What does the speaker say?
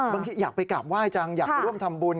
บางทีอยากไปกลับไหว้จังอยากร่วมทำบุญ